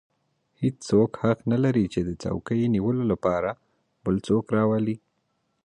هېڅوک حق نه لري چې د څوکۍ نیولو لپاره بل څوک راولي.